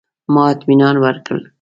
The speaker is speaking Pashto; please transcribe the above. ما اطمنان ورکړ.